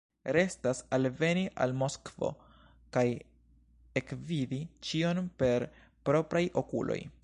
Restas alveni al Moskvo kaj ekvidi ĉion per propraj okuloj.